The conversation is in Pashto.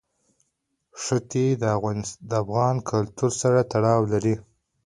ښتې د افغان کلتور سره تړاو لري.